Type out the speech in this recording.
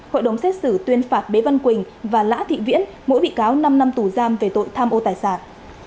hội đồng xét xử tuyên phạt bế văn quỳnh và lã thị viễn mỗi bị cáo năm năm tù giam về tội tham ô tài sản